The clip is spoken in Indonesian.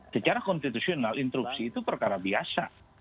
secara konstitusional instruksi itu perkara biasa